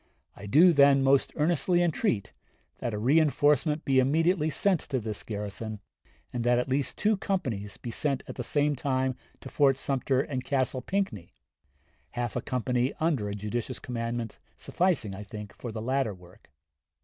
I do, then, most earnestly entreat that a reënforcement be immediately sent to this garrison, and that at least two companies be sent at the same time to Fort Sumter and Castle Pinckney half a company, under a judicious commander, sufficing, I think, for the latter work....